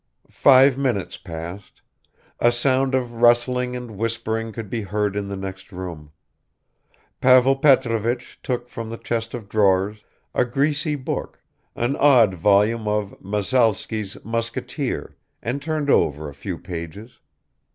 Five minutes passed; a sound of rustling and whispering could be heard in the next room. Pavel Petrovich took from the chest of drawers a greasy book, an odd volume of Masalsky's Musketeer, and turned over a few pages